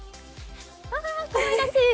あ、かわいらしい。